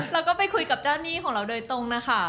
เราก็ไปคุยกับเจ้าหนี้ของเราโดยตรงนะคะ